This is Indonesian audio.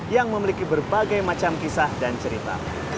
yang memiliki berbagai macam kisah dan cerita